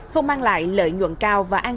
không mang lại lợi nhuận